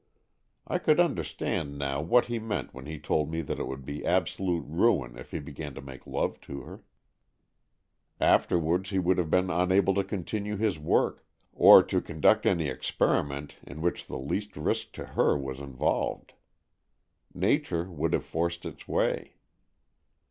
I could under stand now what he meant when he told me that it would be absolute ruin if he began to make love to her. Afterwards, he would 82 AN EXCHANGE OF SOULS have been unable to continue his work, or to conduct any experiment in which the least risk to her was involved. Nature would have forced its way.